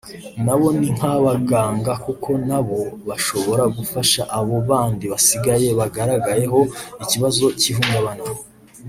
na bo ni nk’abaganga kuko na bo bashobora gufasha abo bandi basigaye bagaragayeho ikibazo cy’ihungabana